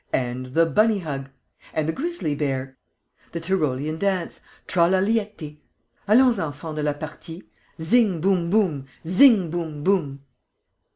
And the bunny hug!... And the grizzly bear!... The Tyrolean dance: tra la liety!... Allons, enfants de la partie!.... Zing, boum, boum! Zing, boum, boum!..."